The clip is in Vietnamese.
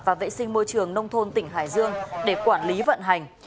và vệ sinh môi trường nông thôn tỉnh hải dương để quản lý vận hành